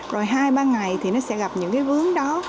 rồi hai ba ngày thì nó sẽ gặp những cái vướng đó